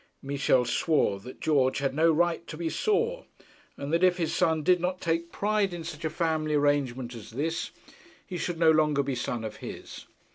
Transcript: Michel swore that George had no right to be sore, and that if his son did not take pride in such a family arrangement as this, he should no longer be son of his.